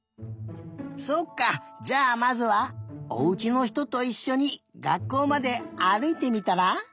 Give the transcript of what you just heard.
そっかじゃあまずはおうちのひとといっしょにがっこうまであるいてみたら？